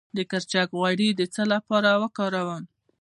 د کرچک غوړي د څه لپاره وکاروم؟